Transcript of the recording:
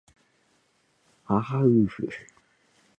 あはふうふ